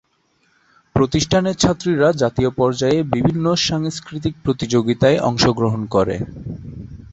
প্রতিষ্ঠানের ছাত্রীরা জাতীয় পর্যায়ে বিভিন্ন সাংস্কৃতিক প্রতিযোগিতায় অংশগ্রহণ করে।